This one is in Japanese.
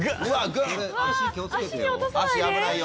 足気をつけてよ。